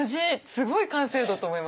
すごい完成度と思いました。